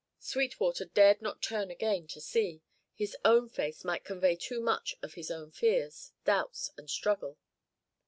Sweetwater dared not turn again to see. His own face might convey too much of his own fears, doubts, and struggle.